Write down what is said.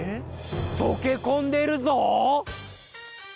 とけこんでるぞ！